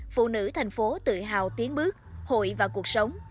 phụ nữ thành phố tự hào tiến bước hội vào cuộc sống